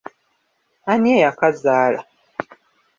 Ani ey’akazaala?